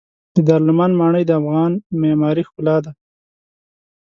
د دارالامان ماڼۍ د افغان معمارۍ ښکلا ده.